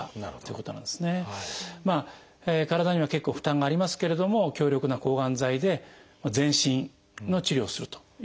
体には結構負担がありますけれども強力な抗がん剤で全身の治療をするという選択をした。